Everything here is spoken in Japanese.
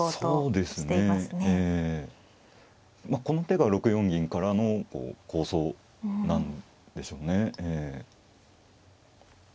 この手が６四銀からの構想なんでしょうね。